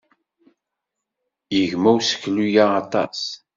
Yegma useklu-a aṭas.